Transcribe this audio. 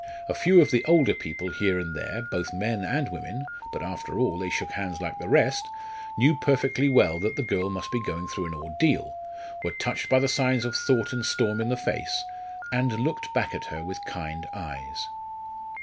A few of the older people here and there, both men and women but after all they shook hands like the rest! knew perfectly well that the girl must be going through an ordeal, were touched by the signs of thought and storm in the face, and looked back at her with kind eyes.